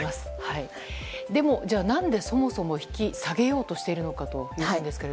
でも、じゃあ、何でそもそも引き下げようとしているのかですが。